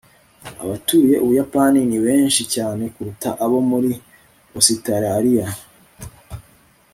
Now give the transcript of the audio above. abatuye ubuyapani ni benshi cyane kuruta abo muri ositaraliya